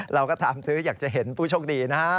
เราก็ถามซื้ออยากจะเห็นผู้โชคดีนะฮะ